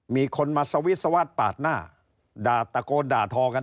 มีคนมาสวิสวาดปาดหน้าด่าตะโกนด่าทอกัน